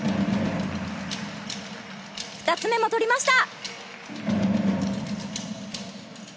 ２つ目も取りました。